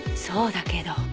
そうだけど。